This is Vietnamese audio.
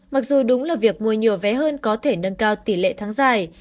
mặc dù đúng là việc mua nhiều vé hơn có thể nâng cao tỷ lệ thắng dài